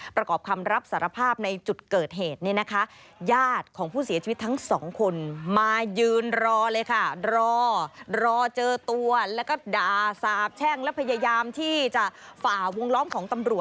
ประกอบคำรับสารภาพในจุดเกิดเหตุเนี่ยนะคะญาติของผู้เสียชีวิตทั้งสองคน